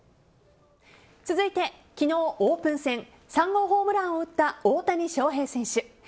続いて昨日オープン戦３号ホームランを打った大谷翔平選手。